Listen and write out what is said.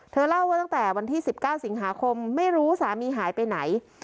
เล่าว่าตั้งแต่วันที่๑๙สิงหาคมไม่รู้สามีหายไปไหน